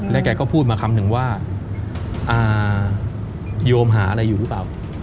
แกก็พูดมาคำหนึ่งว่าโยมหาอะไรอยู่หรือเปล่า